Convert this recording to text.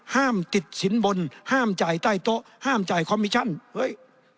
ห้ามติดสินบนห้ามจ่ายใต้โต๊ะห้ามจ่ายคอมมิชั่นเฮ้ย